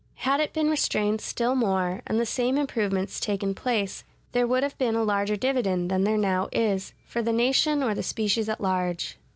Had it been restrained still more, and the same improvements taken place, there would have been a larger dividend than there now is, for the nation or the species at large.